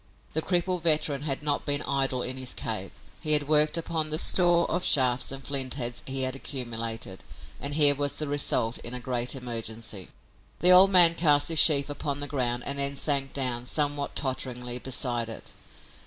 The crippled veteran had not been idle in his cave. He had worked upon the store of shafts and flintheads he had accumulated, and here was the result in a great emergency! The old man cast his sheaf upon the ground and then sank down, somewhat totteringly, beside it.